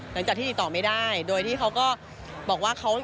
หลังจากที่ติดต่อไม่ได้โดยที่เขาก็บอกว่าเขา